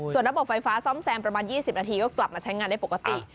ส่วนระบบไฟฟ้าซ่อมแซมประมาณ๒๐นาทีก็กลับมาใช้งานได้ปกติ